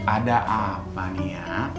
ada apa nia